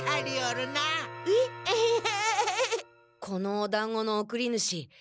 このおだんごのおくり主